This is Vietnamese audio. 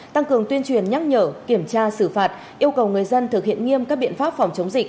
tăng cường tuyên truyền nhắc nhở kiểm tra xử phạt yêu cầu người dân thực hiện nghiêm các biện pháp phòng chống dịch